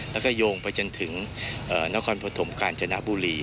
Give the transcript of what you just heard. แล้วก็โยงไปจนถึงนครพฤทธิ์การชณบุรี